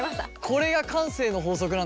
これが慣性の法則なんですね。